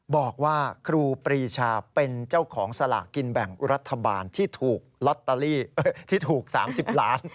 บอกว่าครูปรีชาเป็นเจ้าของสลากกินแบ่งรัฐบาลที่ถูก๓๐ล้าน